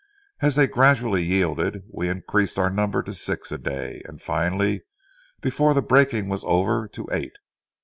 As they gradually yielded, we increased our number to six a day and finally before the breaking was over to eight.